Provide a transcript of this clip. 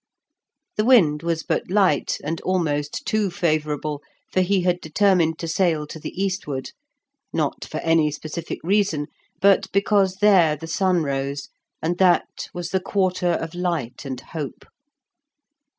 The wind was but light, and almost too favourable, for he had determined to sail to the eastward; not for any specific reason, but because there the sun rose, and that was the quarter of light and hope.